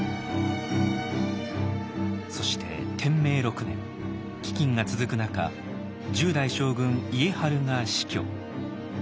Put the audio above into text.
そして天明６年飢饉が続く中十代将軍家治が死去。